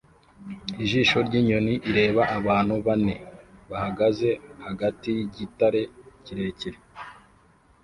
Ijisho ryinyoni ireba abantu bane bahagaze hagati yigitare kirekire